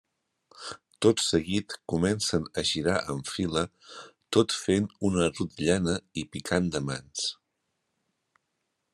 Tot seguit comencen a girar en fila tot fent una rotllana i picant de mans.